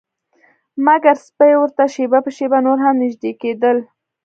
مګر سپي ورته شیبه په شیبه نور هم نږدې کیدل